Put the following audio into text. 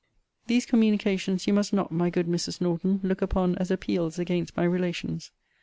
These communications you must not, my good Mrs. Norton, look upon as appeals against my relations.